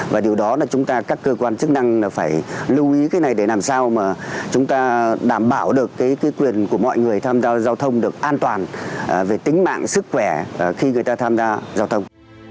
và điều đó là chúng ta các cơ quan chức năng phải lưu ý cái này để làm sao mà chúng ta đảm bảo được cái quyền của mọi người tham gia giao thông được an toàn về tính mạng sức khỏe khi người ta tham gia giao thông